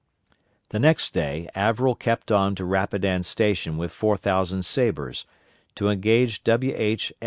The next day Averell kept on to Rapidan Station with 4,000 sabres, to engage W. H.